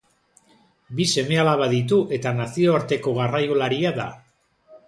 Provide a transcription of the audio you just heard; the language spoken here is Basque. Bi seme-alaba ditu eta nazioarteko garraiolaria da.